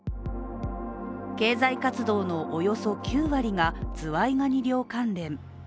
経済活動のおよそ９割がズワイガニ漁関連。